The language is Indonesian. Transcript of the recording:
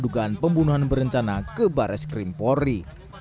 dugaan pembunuhan berencana ke bareskrim polri